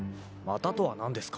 またとは何ですか？